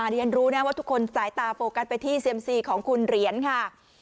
เรียนรู้นะว่าทุกคนสายตาโฟกัสไปที่เซียมซีของคุณเหรียญค่ะ